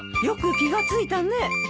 よく気が付いたね。